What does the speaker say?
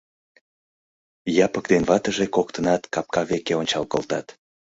Япык ден ватыже коктынат капка веке ончал колтат.